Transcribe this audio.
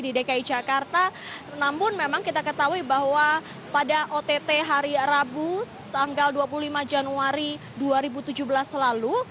di dki jakarta namun memang kita ketahui bahwa pada ott hari rabu tanggal dua puluh lima januari dua ribu tujuh belas lalu